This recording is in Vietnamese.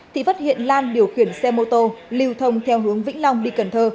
thì phát hiện lan điều khiển xe mô tô liều thông theo hướng vĩnh long đi cần thơ